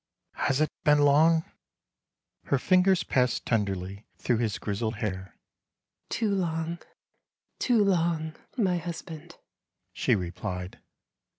" Has it been long? " Her fingers passed tenderly through his grizzled hair. " Too long, too long, my husband," she replied.